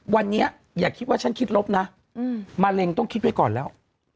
วันนี้อย่าคิดว่าฉันคิดลบนะมะเร็งต้องคิดไว้ก่อนแล้ว